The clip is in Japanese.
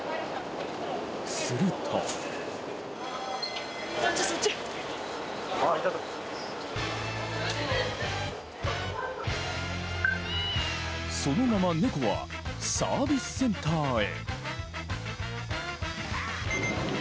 するとそのまま猫はサービスセンターへ。